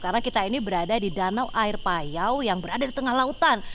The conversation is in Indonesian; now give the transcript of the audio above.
karena kita ini berada di danau air payau yang berada di tengah lautan